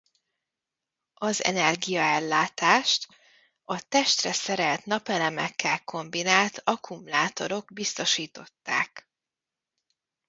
Az energiaellátást a testre szerelt napelemekkel kombinált akkumulátorok biztosították.